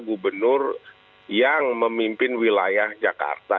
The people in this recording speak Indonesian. gubernur yang memimpin wilayah jakarta